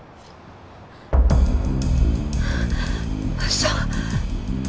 嘘！？